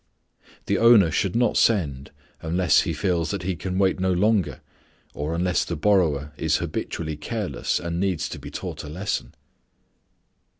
The owner should not send unless he feels that he can wait no longer, or unless the borrower is habitually careless and needs to be taught a lesson.